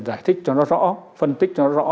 giải thích cho nó rõ phân tích cho rõ